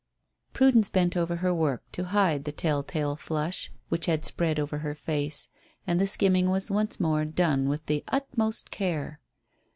Prudence bent over her work to hide the tell tale flush which had spread over her face, and the skimming was once more done with the utmost care.